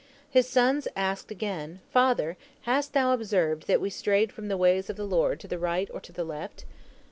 His sons asked again, "Father, hast thou observed that we strayed from the ways of the Lord to the right or to the left?"